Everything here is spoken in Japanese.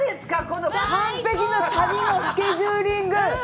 この完璧な旅のスケジューリング。